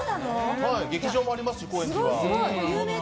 劇場もありますし、高円寺は。